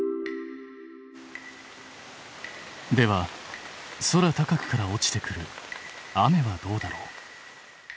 では空高くから落ちてくる雨はどうだろう？